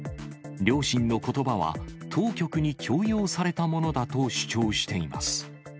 両親のことばは、当局に強要されたものだと主張しています。